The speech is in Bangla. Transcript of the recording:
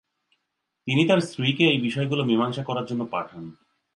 তিনি তার স্ত্রীকে এই বিষয়গুলো মীমাংসা করার জন্য পাঠান।